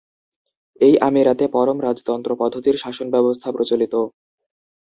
এই আমিরাতে পরম রাজতন্ত্র পদ্ধতির শাসন ব্যবস্থা প্রচলিত।